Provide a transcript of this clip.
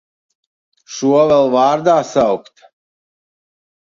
Šo vēl vārdā saukt!